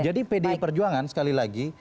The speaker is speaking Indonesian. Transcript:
jadi pdi perjuangan sekali lagi